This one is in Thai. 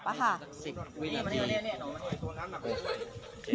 ไม่กลัว